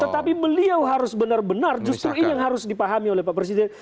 tetapi beliau harus benar benar justru ini yang harus dipahami oleh pak presiden